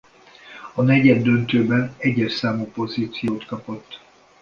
A negyeddöntőben egyes számú pozíciót kapott.